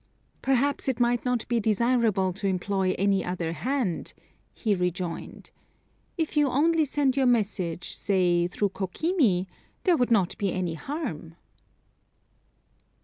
"Perhaps it might not be desirable to employ any other hand," he rejoined. "If you only send your message, say through Kokimi, there would not be any harm."